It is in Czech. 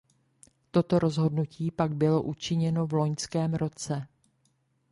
Toto rozhodnutí pak bylo učiněno v loňském roce.